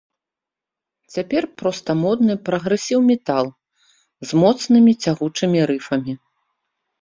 Цяпер проста модны прагрэсіў-метал, з моцнымі цягучымі рыфамі.